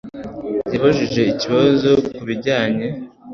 Yabajije ikibazo kubijyanye